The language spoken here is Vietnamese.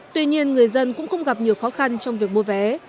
tuy nhiên người dân cũng không gặp nhiều khó khăn trong việc mua vé